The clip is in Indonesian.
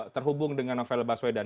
terhubung dengan novel baswedan